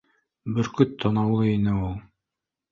Бөркөт танаулы ине ул